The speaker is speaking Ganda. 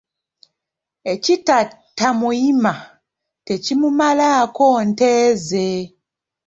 Ekitatta muyima, tekimumalaako nte ze.